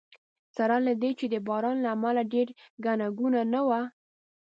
سره له دې چې د باران له امله ډېره ګڼه ګوڼه نه وه.